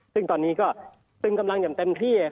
ซึ่งตอนนี้ก็ตึงกำลังอย่างเต็มที่